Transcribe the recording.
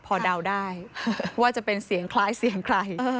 พอเดาได้ว่าจะเป็นเสียงคล้ายเสียงใคร